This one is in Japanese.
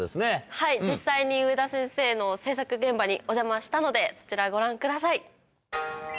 はい実際に植田先生の制作現場にお邪魔したのでそちらご覧ください。